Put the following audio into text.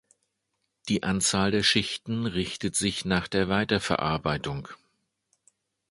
Die Anzahl der Schichten richtet sich nach der Weiterverarbeitung.